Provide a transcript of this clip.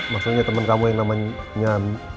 maksudnya teman kamu yang namanya